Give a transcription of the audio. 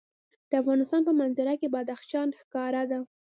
د افغانستان په منظره کې بدخشان ښکاره ده.